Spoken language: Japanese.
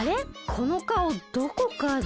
このかおどこかで。